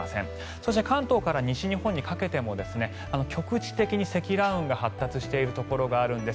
そして関東から西日本にかけても局地的に積乱雲が発達しているところがあるんです。